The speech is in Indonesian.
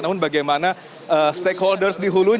namun bagaimana stakeholders dihubungkan